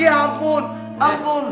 ya ampun ampun